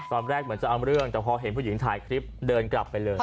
ตอนแรกเหมือนจะเอาเรื่องแต่พอเห็นผู้หญิงถ่ายคลิปเดินกลับไปเลย